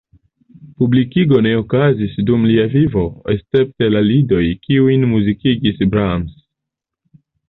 Publikigo ne okazis dum lia vivo, escepte la lidoj, kiujn muzikigis Brahms.